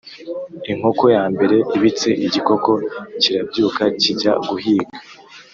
inkoko ya mbere ibitse igikoko kirabyuka kijya guhiga